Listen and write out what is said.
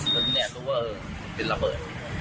ขยะก็ถูกว่าเป็นระเบิด